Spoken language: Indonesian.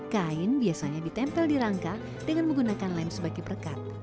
kain biasanya ditempel di rangka dengan menggunakan lem sebagai perkat